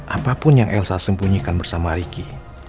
apapun yang elsa sembunyikan bersama ricky